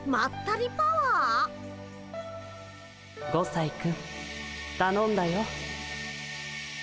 ５さいくんたのんだよ。